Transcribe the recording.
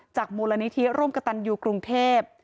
จากมูลนิธิร่มกระตันยูกรุงเทพฯ